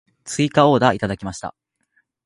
追加のオーダーをいただきました。